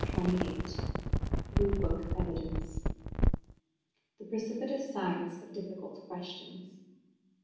CHAPTER XXVIII Blue Book Evidence "The precipitous sides of difficult questions."